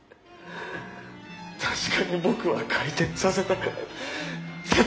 確かに僕は回転させたッ！